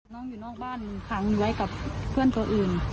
อยู่นอกบ้านขังอยู่ไว้กับเพื่อนตัวอื่น